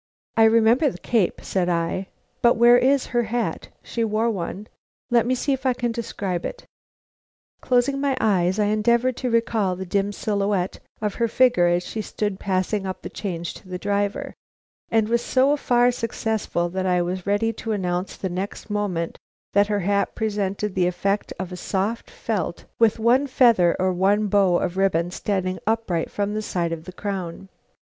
"I remember the cape," said I. "But where is her hat? She wore one. Let me see if I can describe it." Closing my eyes I endeavored to recall the dim silhouette of her figure as she stood passing up the change to the driver; and was so far successful that I was ready to announce at the next moment that her hat presented the effect of a soft felt with one feather or one bow of ribbon standing upright from the side of the crown.